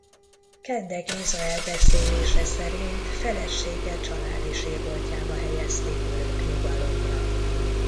Kende Géza elbeszélése szerint felesége családi sírboltjába helyezték örök nyugalomra.